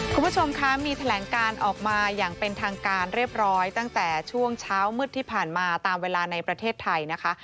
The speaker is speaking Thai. คุณผู้ชมคะมีแถลงการออกมาอย่างเป็นทางการเรียบร้อยตั้งแต่ช่วงเช้ามืดที่ผ่านมาตามเวลาในประเทศไทยนะคะ